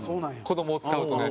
子供を使うとね。